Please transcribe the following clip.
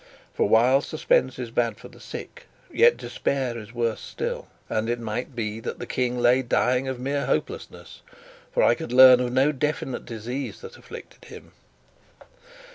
For while suspense is bad for the sick, yet despair is worse still, and it might be that the King lay dying of mere hopelessness, for I could learn of no definite disease that afflicted him.